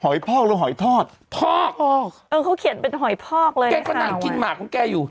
พอกหรือหอยทอดพอกพอกเออเขาเขียนเป็นหอยพอกเลยแกก็นั่งกินหมากของแกอยู่